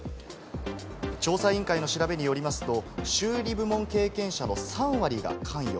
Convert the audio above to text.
調査委員会の調べによりますと、修理部門経験者の３割が関与。